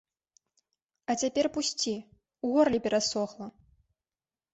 А цяпер пусці, у горле перасохла.